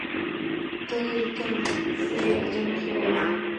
تل تر فعل د مخه راځي.